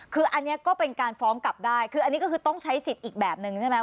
คืออันนี้ก็เป็นการฟ้องกลับได้คืออันนี้ก็คือต้องใช้สิทธิ์อีกแบบนึงใช่ไหม